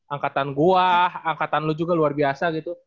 angkatan gua angkatan lu juga luar biasa gitu